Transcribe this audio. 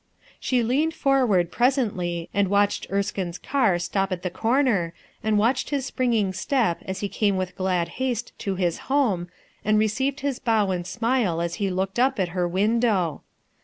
She leaned forward, presently, and watched Erskine's car stop at the corner, and watched his springing step as he came with glad haste to his home, and received his bow and smile as he looked up at her window.